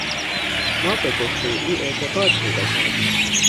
ما به گفتهٔ او اعتقاد پیدا کردیم.